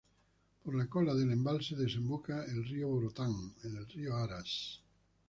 Por la cola del embalse desemboca el río Vorotán en el río Aras.